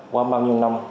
qua bao nhiêu năm